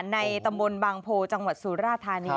ในตำบลบางโพจังหวัดศูนย์ราฐานี้